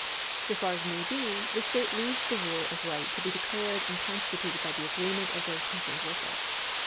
So far as may be, the state leaves the rule of right to be declared and constituted by the agree ment of those concerned with it.